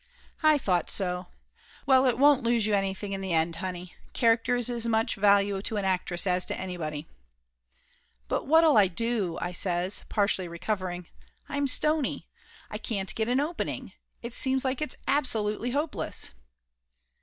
I thought so. Well, it won't lose you anything in the end, honey. Char acter is as much value to an actress as to anybody." "But what'll I do?" I says, partially recovering. "I'm stony. I can't get a opening. It seems like it's absolutely hopeless."